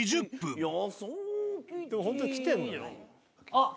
あっ！